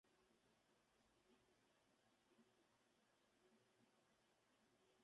Serían recogidos posteriormente por el mismo Pizarro, a su regreso.